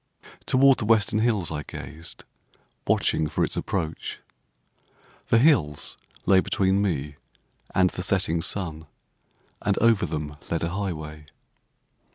Toward the western hills I gazed, watching for its approach. The hills lay between me and the setting sun, and over them led a highway.